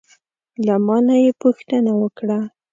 له ما نه یې پوښتنه وکړه: